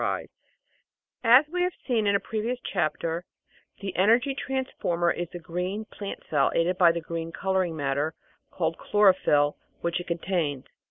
730 The Outline of Science As we have seen in a previous chapter, the energy transformer is the green plant cell aided by the green colouring matter, called chlorophyll, which it contains.